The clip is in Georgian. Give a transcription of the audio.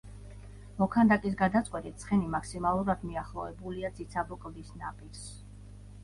მოქანდაკის გადაწყვეტით ცხენი მაქსიმალურად მიახლოებულია ციცაბო კლდის ნაპირს.